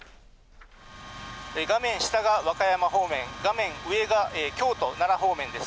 画面下が和歌山方面、画面上が京都・奈良方面です。